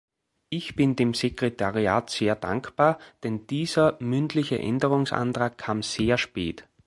Ich bin dem Sekretariat sehr dankbar, denn dieser mündliche Änderungsantrag kam sehr spät.